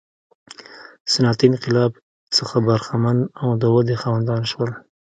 صنعتي انقلاب څخه برخمن او د ودې خاوندان شول.